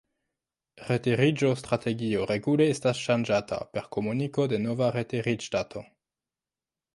Retiriĝo-strategio regule estas ŝanĝata per komuniko de nova retiriĝdato.